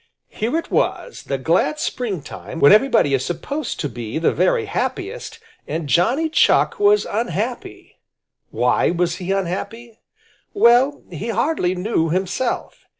Here it was the glad springtime, when everybody is supposed to be the very happiest, and Johnny Chuck was unhappy. Why was he unhappy? Well, he hardly knew himself.